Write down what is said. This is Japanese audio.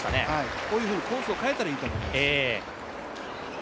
こういうふうにコースを変えたらいいと思います。